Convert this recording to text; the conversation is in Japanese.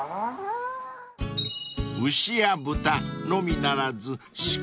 ［牛や豚のみならず鹿